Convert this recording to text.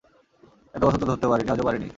এত বছর তো ধরতে পারিনি, আজও পারিনি।